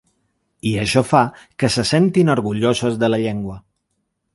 I això fa que se sentin orgullosos de la llengua.